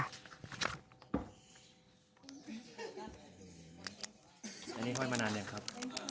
อันนี้ห้อยมานานอย่างไรครับ